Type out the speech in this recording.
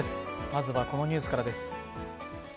まずはこのニュースからです。